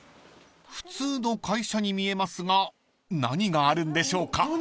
［普通の会社に見えますが何があるんでしょうか？］